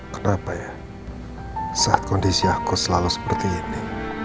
kenapa ya saat kondisi aku selalu seperti ini